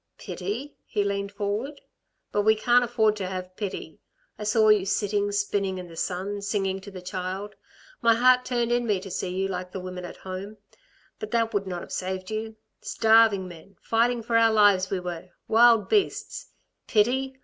"Pity?" He leaned forward. "But we can't afford to have pity. I saw you sitting spinning in the sun, singing to the child. My heart turned in me to see you like the women at home. But that would not have saved you. Starving men, fighting for our lives we were. Wild beasts. Pity?